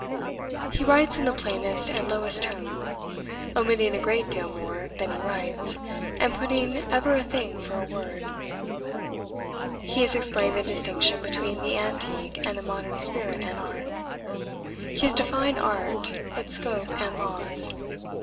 He writes in the plainest and lowest tone, omitting a great deal more than he writes, and putting ever a thing for a word. He has explained the distinction between the antique and the modern spirit and art. He has defined art, its scope and laws.